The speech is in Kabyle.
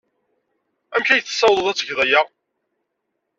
Amek ay tessawḍeḍ ad tgeḍ aya?